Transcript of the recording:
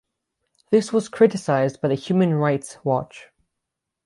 This was criticized by the Human Rights Watch.